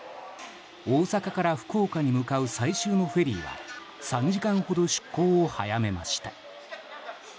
大阪から福岡に向かう最終のフェリーは３時間ほど出航を早めました。